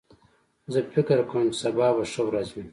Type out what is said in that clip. زه فکر کوم چې سبا به ښه ورځ وي